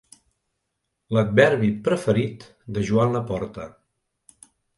L'adverbi preferit de Joan Laporta.